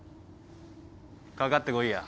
かかってこいや。